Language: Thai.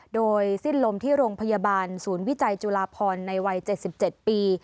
โดยสิ้นลมที่โรงพยาบาลศูนย์วิจัยจุฬาพรในวัย๗๗ปี